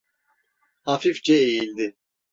Hafifçe eğildi.